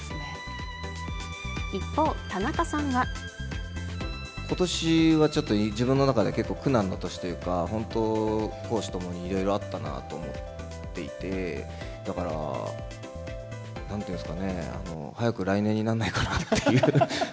一方、田中さんは。ことしは、ちょっと自分の中で結構、苦難の年というか、本当、公私ともにいろいろあったなと思っていて、だから、なんていうんですかね、早く来年にならないかなっていう。